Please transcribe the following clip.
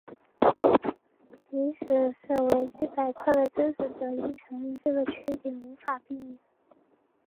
即使是维基百科的支持者亦承认这个缺点无法避免。